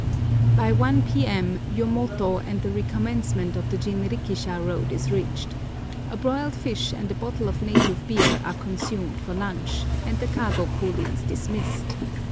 By 1 p.m. Yomoto and the recommencement of the jinrikisha road is reached; a broiled fish and a bottle of native beer are consumed for lunch, and the kago coolies dismissed.